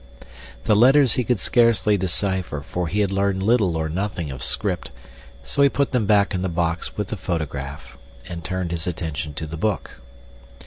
The letters he could scarcely decipher for he had learned little or nothing of script, so he put them back in the box with the photograph and turned his attention to the book.